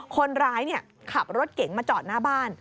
คนร้ายขับรถเก๋งมาจอดหน้าบ้าน